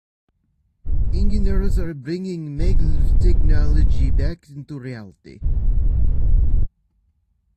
Engineers are bringing maglev technology into reality.